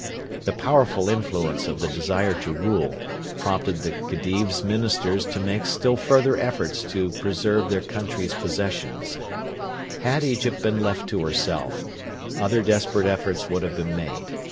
The powerful influence of the desire to rule prompted the Khedive's Ministers to make still further efforts to preserve their country's possessions. Had Egypt been left to herself, other desperate efforts would have been made.